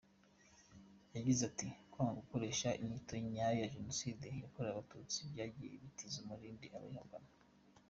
Yagize ati “Kwanga gukoresha inyito nyayo ya Jenoside yakorewe Abatutsi byagiye bitiza umurindi abayihakana.